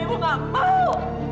ibu nggak mau